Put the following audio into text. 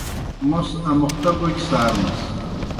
موْس امُختہ بوکیْ سارمَس۔